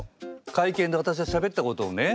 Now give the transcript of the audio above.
会見でわたしがしゃべったことをね